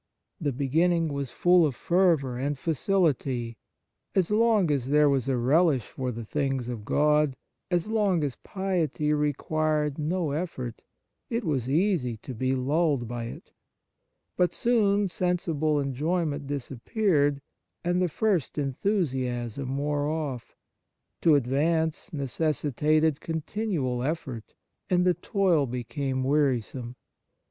The beginning was full of fervour and facility ; as long as there was a relish for the things of God, as long as piety required no effort, it was easy to be lulled by it. But soon sensible enjoyment disappeared, and the first enthusiasm wore off; to 32 The Nature of Piety advance necessitated continual effort, and the toil became wearisome.